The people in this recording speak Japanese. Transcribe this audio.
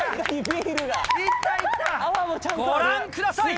ご覧ください！